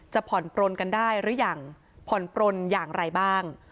ผ่อนปลนกันได้หรือยังผ่อนปลนอย่างไรบ้าง